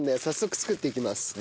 早速作っていきます。